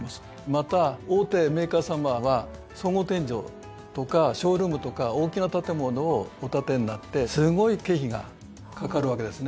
また大手メーカーさまは総合展示場とかショールームとか大きな建物をお建てになってすごい経費が掛かるわけですね。